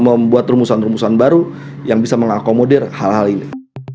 membuat rumusan rumusan baru yang bisa mengakomodir hal hal ini